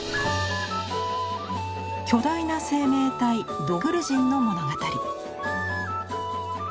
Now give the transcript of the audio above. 巨大な生命体「ドクルジン」の物語。